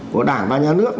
của đảng và nhà nước